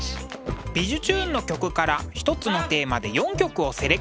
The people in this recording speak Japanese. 「びじゅチューン！」の曲から一つのテーマで４曲をセレクト。